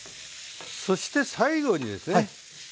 そして最後にですね。